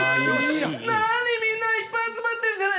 なにみんないっぱい集まってるじゃない。